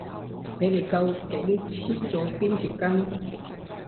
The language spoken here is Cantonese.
你哋究竟黐咗邊條筋？